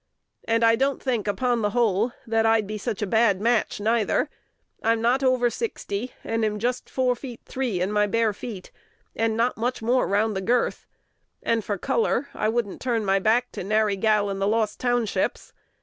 And I don't think, upon the whole, that I'd be sich a bad match neither: I'm not over sixty, and am just four feet three in my bare feet, and not much more round the girth; and for color, I wouldn't turn my back to nary gal in the Lost Townships.